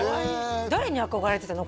誰に憧れてたの？